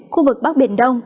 khu vực bắc biển đông